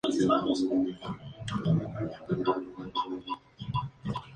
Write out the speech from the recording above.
Actualmente tiene un registro de cuatro octavas.